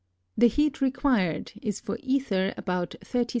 The heat required is for ether about 36° C.